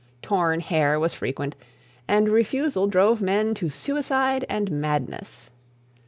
Torn hair was frequent, and refusal drove men to suicide and madness.